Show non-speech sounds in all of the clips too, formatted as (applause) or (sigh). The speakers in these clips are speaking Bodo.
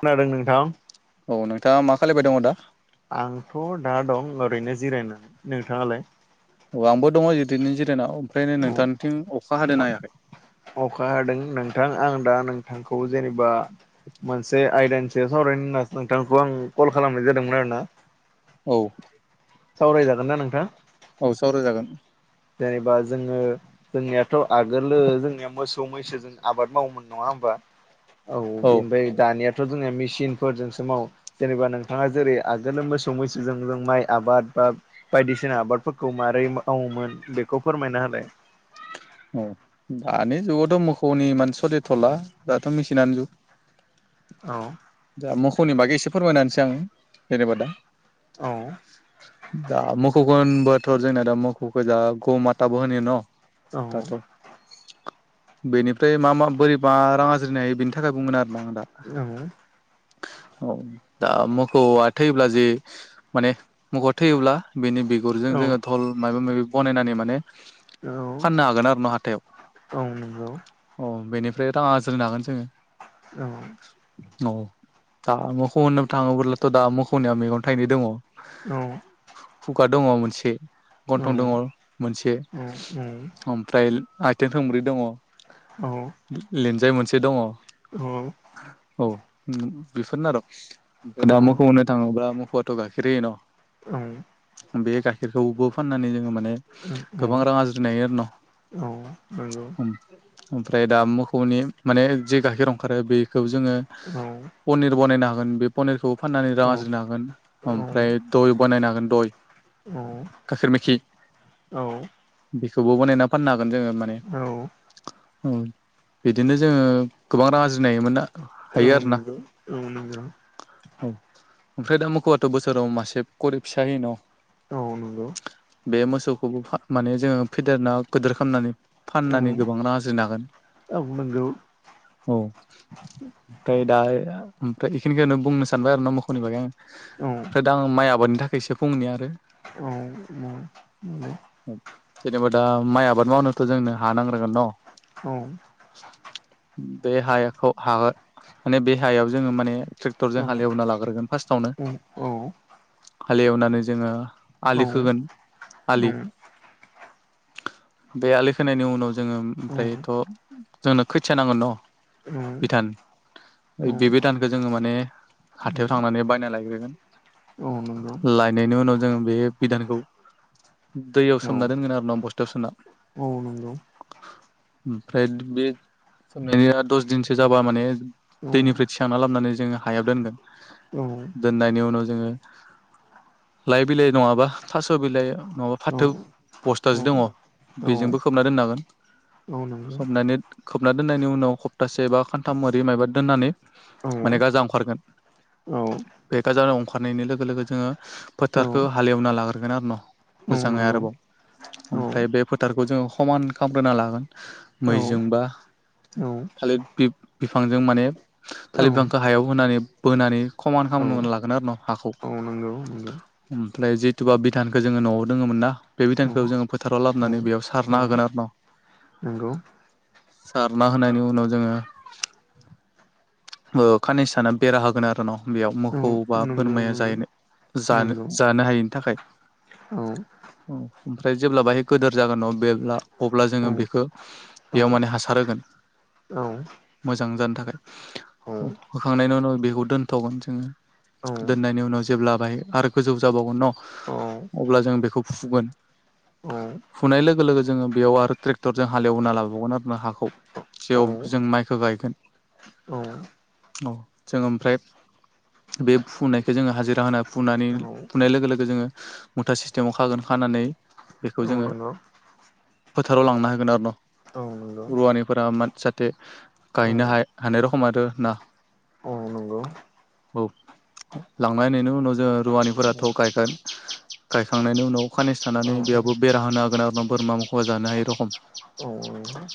खोनादों नोंथां औ नोंथाङा मा खालायबाय दङ दा आंथ' दा दं ओरैनो जिरायनानै नोंथाङालाय औ आंबो दङ इदिनो जिरायना ओमफ्रायनो औ नोंथांनिथिं अखा हादोना हायाखै अखा हादों नोंथां आं दा नोंथांखौ जेनेबा मोनसे आयदानि सावरायनि होननासो नोंथांखौ आं कल खालामनाय जादोंमोन आरोना औ सावरायजागोनना नोंथां औ सावराय जागोन जेनेबा जोङो। जोंनियाथ' आगोलो जोंनिया मोसौ मैसोजों आबाद मावोमोन नङा होमबा। औ बेनिफ्राय दानियाथ' जोंनिया मेसिनफोरजोंसो मावो जेनेबा नोंथाङा जेरै आगोल मोसौ मैसोजों जों माइ आबाद बा बायदिसिना आबादफोरखौ मारै मावोमोन बेखौ फोरमायना होलाय औ दानि जुगावथ' मोखौनि एमान सोलिथ'ला दाथ' मेसिनानो जुग औ। दा मोखौनि बागै एसे फोरमायना होनोसै आङो जेनेबा दा औ दा मोखौखो होनबाथ' जोंनिया दा मोखौखो दा गौ माताबो होनो न' औ दाथ' बेनिफ्राय मा मा बोरैबा रां आरज्रिनो हायो बेनि थाखाय बुंगोन आरोना आं दा औ औ दा मोखौआ थैयोब्ला जि माने मोखौआ थैयोब्ला बिनि बि बिगुरजों जोङो धल माबा माबि बानायनानै माने फाननो हागोन आरो नो हाथायाव अ बेनिफ्राय रां आरज्रिनो हागोन जोङो। औ औ दा मोसौ होननो थाङोबोलाथ' दा मोसौनिया मेगन थाइनै दङ। औ खुगा दङ मोनसे गन्थं दङ मोनसे ओमफ्राय आथिं थोंब्रै दङ। औ लिन्जाय मोनसे दङ। औ। औ बेफोरनो आर' ओमफ्राय दा मोखौ होननो थाङोब्ला मोखौआथ' गाखेर होयो न ओं बे गाइखेरखौबो फाननानै जोङो मो माने गोबां रां आरज्रिनो हायो आरो न ओमफ्राय दा खोसौनि माने जे गाइखेर ओंखारो बेखौ जोङो। औ पनिर बानायनो हागोन बे पनिरखौ। फाननानै रां आरजिनो हागोन ओमफ्राय दय बानायनो हागोन दय गाखेर मेखि बेखौबो बनायना फाननो हागोन जोङो। औ उम बिदिनो जोङो गोबां आरज्रि हायोमोन ना? औ हायो आरोना नंगौ औ नंगौ औ ओमफ्राय दा मोखौबाथ' बोसोराव मासे गरिब फिसा होयो न' औ नंगौ बे मोसौखौबो माने जोङो फेदेरना गिदिर खालामनानै औ फाननानै गोबां रां आरजिनो हागोन औ औ औ ओमफ्राय दा ओमफ्राय बेखिनिखौनो बुंनो सानबाय आरो ना मोखौनि बागै आं ओमफ्राय दा आं माइ आबादनि थाखायसो बुंनि आरो औ उम नंगौ जेनेबा दा माइ आबाद मावनोथ' जोंनो हा नांग्रांगोन न' औ बे हायाखौ हा माने बे हायाव जोङो माने ट्रेक्टरजों हालेवना लाग्रोगोन फार्स्टआवनो। औ औ। हाल एवनानै जोङो आलि खोगोन आलि बे आलि खोनायनि उनाव जोङो ओमफ्रायथ' जोंनो खोथिया नांगोन न उम बिधान बे दानखौ जोङो माने हाथायाव थांनानै बायना लायग्रोगोन औ नंगौ लायनायनि उनाव जों बे बिधानखौ दैयाव औ सोमना दोनगोन आरो ना बस्थायाव सोना औ नंगौ ओमफ्राय बे सोंनाया दस दिनसो जाबा माने औ दैनिफ्राय थिखांना लाबोनानै जोङो हायाव दोनगोन औ दोननायनि उनाव जोङो लाइ बिलाइ नङाबा थास' बिलाइ नङाबा फाथो औ पस्थासो दङ औ बेजोंबो खोबना दोननो हागोन औ नंगौ खोबनानै खोबना दोननायनि उनाव सप्तासे बा खान्थाम मो माबा दोननानै औ माने गाजा ओंखारगोन औ बे गाजानाव ओंखारनायनि लोगो लोगो जोङो औ फोथारखौ हालेवना लाग्रोगोन आरो न औ मोजाङै नंगौ आरोबाव औ औ ओमफ्राय बे फोथारखौ जोङो समान खालामग्रोना लागोन औ मैजों बा खालि बि बिफांजों माने थालिर बिफांखौ हायाव होनानै बोनानै खमान औ खालामनानानै लागोन आरो न हाखौ नंगौ औ ओमफ्राय जिथुबा बिधानखौो जोङो न'आव दोङोमोन नना बे औ बिधानखौ जोङो फोथाराव लाबोनानै बेयाव सारना होगोन आरो न नोंगौ सारना होनायनि उनाव जोङो (inaudible) ओ खाननैसो थाना बेरा होगोन आरो न' बेयाव मोखौ बा बोरमाया नंगौ जाहैनो जानो नंगौ जानो हायैनि थाखाय औ औ ओमफ्राय जेब्ला बाहाय गोदोर जागोन न' बेब्ला अब्ला औ जोङो बेखो औ बेयाव माने हासार होगोन औ मोजां जानो थाखाय औ होखांनायनि उनाव बेखौ दोनथ'गोन जोङो औ दोननायनि उनाव जेब्ला बेाहाय आरो गोजौ जाबावगोन न नंगौ अब्ला जों बेखौ फुगोन फुनाय लोगो लोगो जोङो बेयाव आरो ट्रेक्टरजों हालेवना लाबावगोन आरो ना हाखौ जेयाव जों औ माइखौ गायगोन नंगौ औ जों ओमफ्राय बे फुनायखौ जोङो हाजिरा होना फुनानै फुनाय लोगो लोगो जोङो मुथा सिस्टेमाव खागोन खानानै बेखौ औ जोङो नंगौ फोथाराव लांना होगोन आरो न औ औ रुवारिफोरा जाहाथे गायैनो औ हा हानाय रखम आरो ना नंगौ लांबायनायनि उनाव जोो रुवानिफोराथ' गायगोन गायखांनायनि उनाव खानस थानानै बेाबबो बेरा होनो हागोन आरो ना बोरमा मोसौा जानो हायै रखम औ औ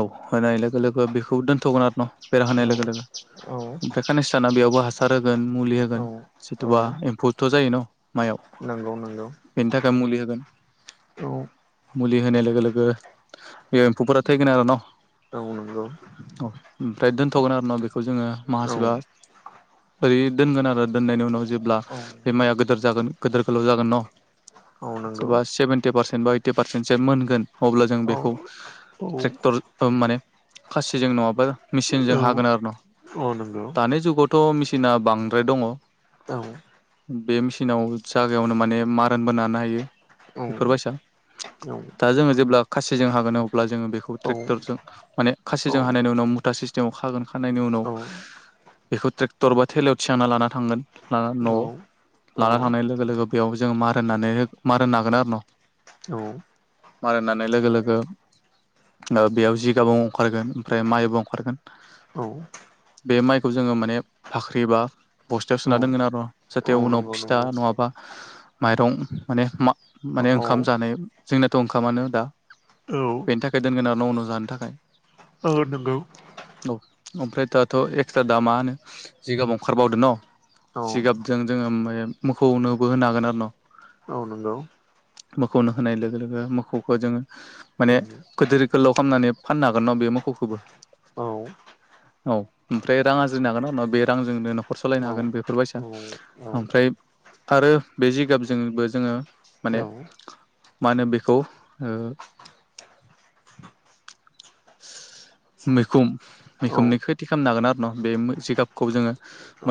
औ होनाय लोगो लोगो बेखौबो दोनथ'गोन आरो न' बेरा होनाय नंगौ लोगो लोगो औ औ ओमफ्राय कानिस्ताना बेयावबो हासार होगोन मुलि औ होगोन सोरथबा एम्फौथ' जायो न माइआव नंगौ नंगौ बेनि थाखाय मुलि होगोन औ मुलि होनाय लोगो लोगो बे एम्फौफोरा थैगोन आरो न औं नंगौ औ ओमफ्राय दोन्थगोन आरोना बेखौ जोङो औ माखासेबा ओरै दोनगोन आरो दोननायनि उनाव जेब्ला औ बे माइया गदोर जागोन गिदोर गोलाव जागोन न औ नंगौ सोरबा सेभेन्टि पारसेन्ट बा ओइटि पारसेन्ट सो मोनगोन अब्ला जों औ बेखौ औ ट्रेक्टर माने खासिजों नङाबा औ मेसिनजों हागोन आरो न औ नंगौ दानि जुगावथ मेसिना बांद्राय दङ औ बे मेचिनाव जागायावनो माने मारोनबो नानो हायो औ औ बेफोरबायसा दा जोङो जेब्ला खासिजों हागोन अब्ला जोङो बेखौ खौ ट्रेक्टरजों माने खासिजों औ हानायनि उनाव मुथा सिस्टेमाव खागोन खानायनि उनाव बेखौ ट्रेक्टर बा थेलायाव थिखांना लाना थांगोन लाना न'आव औ लाना औ थांनाय लोगो लोगो बेयाव जोङो मारोन नानो मारोन नागोन आरो न औ मारोन नानाय लोगो लोगो ओ बेयाव जिगाव ओंखारगोन ओमफ्राय माइबो ओंखारगोन। औ बे माइखौ जोङो माने भाख्रि बा बस्थायाव सोना दोनगोन आरो न जाहाथे उनाव नंगौ फिथा नंगौ नङाबा माइरं माने मा औ माने ओंखाम जानो जोंनाथ ओंखामानो दा औ बेनि थाखाय दोनगोन आरो न उनाव जानो थाखाय औ नोंगौ औ ओमफ्राय दाथ एक्सट्रा दा मा होन जिगाब ओंखारबावदों न औ जिगाबजों जोङो मो मोखौनोबो होनो हागोन आरो न औ नंगौ मोखौनो होनाय लोगो लोगो मोसौखौ जों माने गोदोर गोलाव खालामनानै फाननो हागोन न बे मोसौखौबो औ ओमफ्राय रां आरज्रिनो हागोन उनाव बे रांजोंनो न'खर सालायनो हागोन बेफोरबायसा औ ओमफ्राय आरो बे जिगाबजोंबो जोङो माने औ माहोनो बेखौ ओ मैखुम नंगौ मैखुमनि खोथि खालामनो हागोन आरो न बे जिगाबखौ जोङो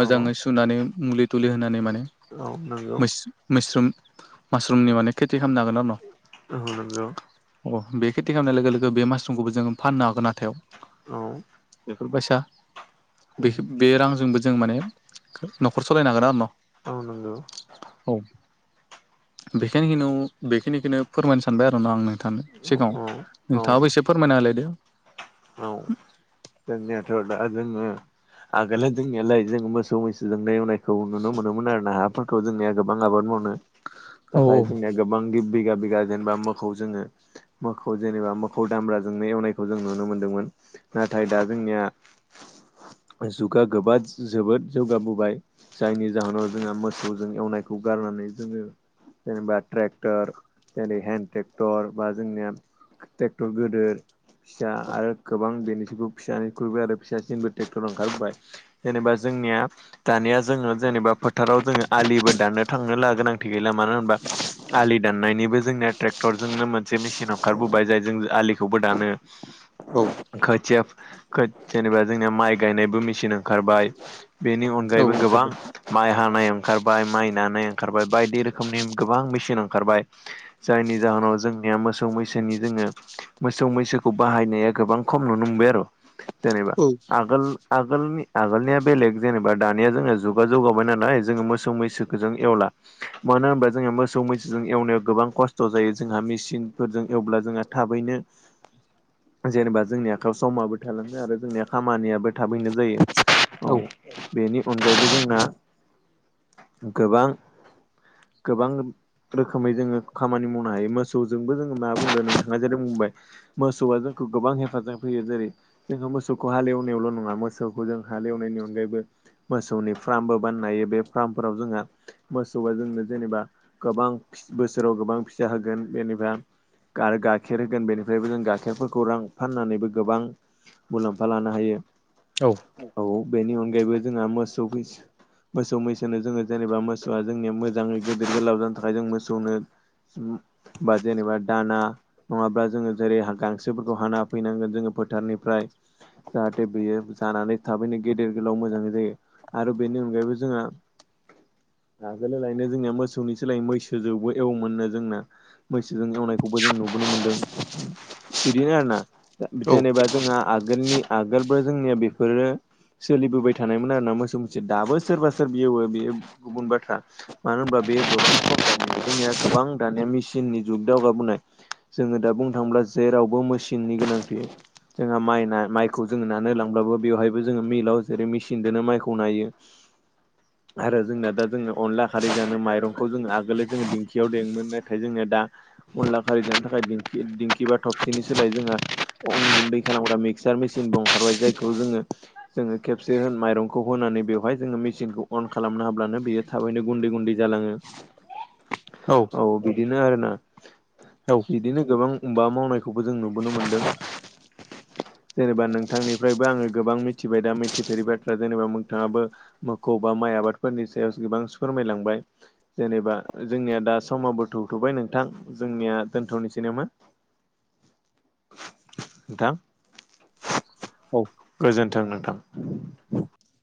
मोजाङै सुनानै मुलि थुलि होनानै माने औ नोंगौ मोस मैस्रुम मास्रुमनि माने खेथि खालामनो हागोन आरो न औ अ बे खेथि खालामनाय लोगो लोगो बे मासरुमखौबो जोङ फाननो हागोन हाथायाव नंगौ बेफोरबायसा बे बे रांजोंबो जों माने न'खर सालायनो हांगोन आरो न औ नंगौ औ बेखिनिखोनो बेखिनिखोनो फोरमायनो सानबाय आरो ना आं नोंथां सिगाङाव औ औ नोंथाङाबो एसे फोरमायना हालायदो औ जोंनियाथ दा जोङो आगोलो जोंनियाालाय जों मोसौ मैसोजोंनाय एवनायखौ नुनो मोनोमोन आरोना हाफोरखौ जोंनिया गोबां आबाद मावनो औ थाखाय जोंनिया गोबां बिघा बिघा जेनेबा मोखौ जोङो मोखौ जेनेबा मोखौ दामब्राजोंनो एवनायखौ जों नुनो मोन्दोंमोन ना नाथाय दा जोंनिया जुगा गोबा जोबोद जौगाबोबाय जायनि जाहोनाव जोंहा मोसौजों एवनायखौ गारनानै जोङो जेनेबा ट्रेक्टर जेरै हेन्द ट्रेक्टर बा जोंनिया ट्रेक्टर गोदिर फिसा आरो गोबां बेनि बिखौ फिसा खुरैबाय आरो फिसासिनबो ट्रेक्टर ओंखारबोबाय जेनेबा जोंनिया दानिया जोङो जेनेबा फोथाराव जोङो आलिबो दाननो थांनो ला गोनांथि गैला मानो होनबा आलि दाननायनिबो जोंनिया ट्रेक्टरजोंनो मोन से मेचिन ओंखारबोबाय जाय जों आलिखौबो दानो औ खोथिया जेनेबा जोंनिया माइ गायनायबो मेचन ओंखारबाय बेनि औ अनगायैबो गोबां माइ हानाय ओंखारबाय माइ दानाय ओंखारबाय बायदि रोखोमनि गोबां मेचिन ओंखारबाय जायनि जाहोनाव जोंनिया मोसौ मैसोनि जोङो मोसौ मैसोखौ बाहायनाया गोबां खम नुनो मोनबाय आरो जेनेबा आगोल आगोलनि आगोलनिया बेलेग जेनेबा दानिया जोङो जुगा जौगाबाय नालाय जोङो मोसौ मैसोखौ जों एवला मानो होनोबा जोंहा मोसौ मैसोजों एवनायाव गोबां खस्थ' जायो जोंहा मेसिनफोरजों एवब्ला जोंहा थाबैनो (inaudible) जेनेबा जोंनि आखायाव समाबो थालाङो आरो जोंनिया खामानियाबो थाबैनो जायो। औ बेनि अनगायैबो जोंना गोबां गोबां रोखोमै जोङो खामानि मावनो हायो मोसौजोंबो जोङो मा बुंदो नोंथाङा जे जादों बुंबाय मोसौआ जोंखौ गोबां हेफाजाब फैयो जेरै जोङो मोसौखौ हालेवनायावल' नङा मोसौखौ जों हालेवनायनि अनगायैबो मोसौनि फार्मबो बानायनो हायो बे फार्मफोराव जोंहा मोसौआ जोंनो जेनेबा गोबां बोसोराव गोबां फिसा होगोन जेनेबा आरो गाइखेर होगोन बेनिफ्रायबो जों गाइखेरफोरखौ रां फाननानैबो गोबां मुलाम्फा लानो हायो। औ औ बेनि अनगायैबो जोंहा मोसौ मोसौ मैसोनो जोङो जेनेबा मोसौआ जोंनिया मोजाङै गिदेर गोलाब जानो थाखाय जों मोसौनो उम बा जेनेबा दाना नङाब्ला जोङो जेरै गांसोफोरखौ हाना फैनांगोन जोङो फोथारनिफ्राय जाहाथे बेयो जानानै थाबैनो गेदेर गोलाव मोजां जायो आरो बेनि अनगायैबो जोंहा आगोलोलायनो जोंनिया मोसौनि सोलायै मैसोजोंबो एवोमोननो जोंना मैसोजों एवनायखौबो जों नुबोनो मोनदों बिदिनो आरो ना जेनेबा जोंहा आगोलनि आगोलबो जोंनिया बेफोरो सोलिबोबाय थानायमोन आरो ना मोसौ मुस दाबो सोरबा सोर एवो बेयो गुबुन बाथ्रा मानो होनब्ला बेयो गोबां खम दानिया जोंनिया गोबां दानिया मेसिननि जुग दावगाबोनाय जोङो दा बुंनो थाङोब्ला जेरावबो मेसिननि गोनांथि जोंहा माइना माइखौ जोङो नानो होलांब्लाबो बेवहायबो जोङो मिलाव जेरै मेसिनजोंनो माइखौ नायो (inaudible) आरो जोंनाया दा जोङो अनला खारै जानो माइरंखौ जोङो आगोल जोङो दिंखियाव देङोमोन नाथाय जोंनाया दा अनला खारै जानो थाखाय दिंखि दिंखि बा थबसिनि सोलाय जोंहा उन गुन्दै खालामग्रा मिक्सार मेसिनबो ओंखारबाय जायखौ जोङो जोङो खेबसे माइरंखौ होनानै बेवहाय जोङो मेचिनखौ अन खालामना हाब्लानो बेयो थाबैनो गुन्दै गुन्दै जालाङो औ बिदिनो आरो ना औ बिदिनो गोबां मा मावनायखौबो जों नुबोनो मोनदों जेनेबा नोंथांनिफ्रायबो आङो गोबां मिथिबाय दा मिथिफेरि बाथ्रााया जेनेबा नोंथाङाबो मोखौ बा माइ आबादफोरनि सायाव गोबां सु फोरमायलांबाय जेनेबा जोंनिया दा समाबो थौथ'बाय नोंथां जोंनिया दोनथ'नोसै नामा नोंथां औ गोजोन्थों नोंथां